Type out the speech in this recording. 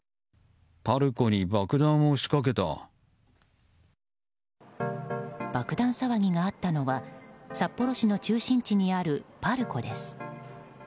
爆弾騒ぎがあったのは札幌市の中心地にあるパルコです。